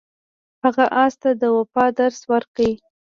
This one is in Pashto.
هغه اس ته د وفا درس ورکړ.